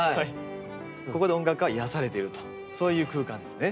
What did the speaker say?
ここで音楽家は癒やされているとそういう空間ですね。